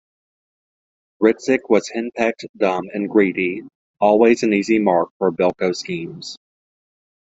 Ritzik was henpecked, dumb, and greedy, always an easy mark for Bilko's schemes.